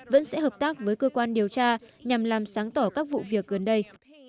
vẫn sẽ hợp tác với cơ quan điều tra nhằm làm sáng tỏ các vụ việc gần đây